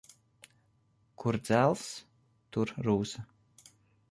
Kur dzelzs, tur rūsa.